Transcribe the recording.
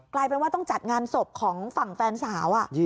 กลายเป็นว่าต้องจัดงานศพของฝั่งแฟนสาว